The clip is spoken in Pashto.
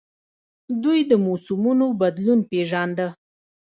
دوی د موسمونو بدلون پیژانده